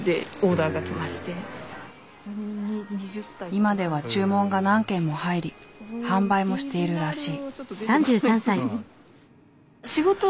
今では注文が何件も入り販売もしているらしい。